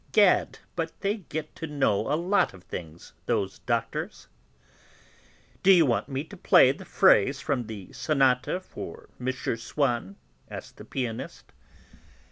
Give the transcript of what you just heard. Gad! but they get to know a lot of things, those doctors." "D'you want me to play the phrase from the sonata for M. Swann?" asked the pianist.